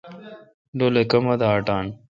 ڈولے کما دا اٹان۔